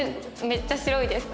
めっちゃ白いです。